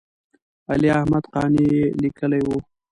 علي احمد قانع یې لیکلی و.